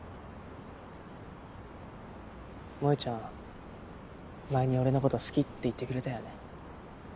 萌ちゃん前に俺のこと好きって言ってくれたよね。